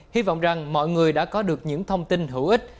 hy vọng rằng mọi người đã có được những thông tin hữu ích